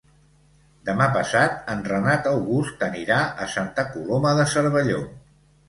Demà passat en Renat August anirà a Santa Coloma de Cervelló.